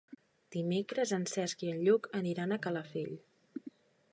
Dimecres en Cesc i en Lluc aniran a Calafell.